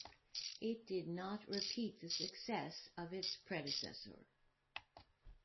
It did not repeat the success of its predecessor.